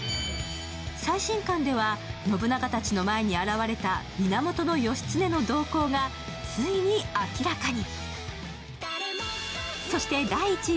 最新刊では信長たちの前に現れた源義経の動向がついに明らかに。